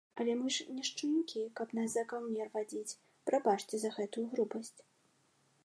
Але мы ж не шчанюкі, каб нас за каўнер вадзіць, прабачце, за гэтую грубасць.